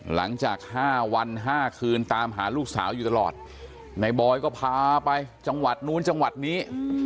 หลังจาก๕วัน๕คืนตามหาลูกสาวอยู่ตลอดในบอยก็พาไปจังหวัดนู้นจังหวัดนี้